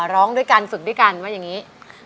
ร้องด้วยกันฝึกด้วยกันว่าอย่างนี้